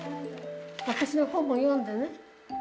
私の本も読んでね。